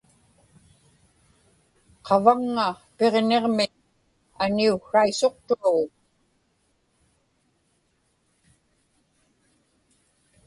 qavaŋŋa Piġniġmiñ aniuksraisuqtuaŋa